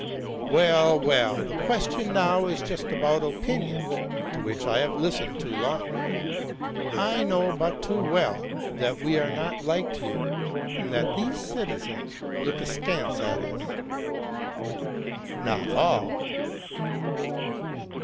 '+ Well, well! the question now is just about opinions, to which I have listened too long. I know but too well that we are not liked here, and that these citizens look askance at us. 'Not all!""